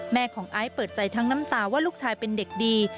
แม่ของไอซ์เปิดใจทั้งน้ำตาว่าลูกชายเป็นเด็กดี